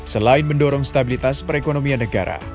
selain mendorong stabilitas perekonomian negara